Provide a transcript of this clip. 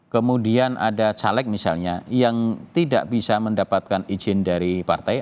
kemudian ada caleg misalnya yang tidak bisa mendapatkan izin dari partai